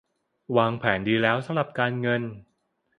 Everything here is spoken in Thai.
วางแผนดีแล้วสำหรับการเงิน